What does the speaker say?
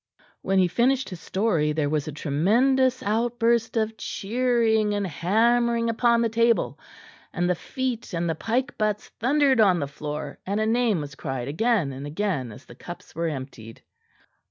When he finished his story there was a tremendous outburst of cheering and hammering upon the table, and the feet and the pike butts thundered on the floor, and a name was cried again and again as the cups were emptied.